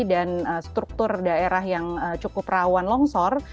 dan struktur daerah yang cukup rawan longsor